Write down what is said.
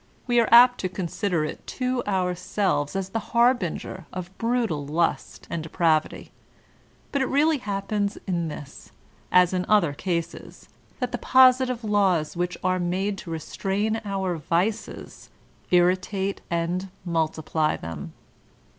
We are apt to consider it to ourselves as the harbinger of brutal lust and depravity ; but it really hap pens in this, as in other cases, that the positive laws which are made to restrain our vices, irritate and multi ply them."